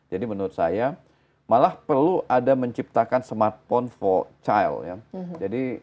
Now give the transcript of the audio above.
jadi menurut saya malah perlu ada menciptakan smartphone for child